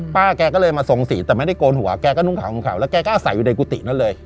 แกก็เลยมาทรงสีแต่ไม่ได้โกนหัวแกก็นุ่งขาวของเขาแล้วแกก็อาศัยอยู่ในกุฏินั่นเลย